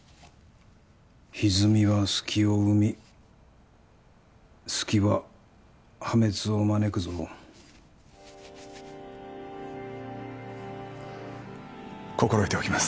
歪みは隙を生み隙は破滅を招くぞ心得ておきます